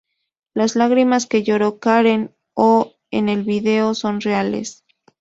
Las lágrimas que lloró Karen O en el video son reales.